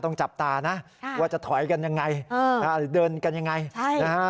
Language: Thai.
ต้องจับตานะว่าจะถอยกันยังไงหรือเดินกันยังไงใช่นะฮะ